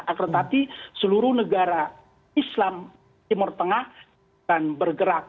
akretati seluruh negara islam timur tengah akan bergerak